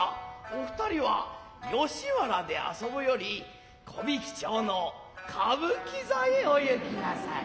お二人は吉原で遊ぶより木挽町の歌舞伎座へお行きなさい。